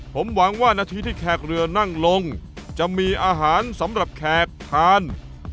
ผมหวังว่านาทีที่แขกเรือนั่งลงจะมีอาหารสำหรับแขกทาน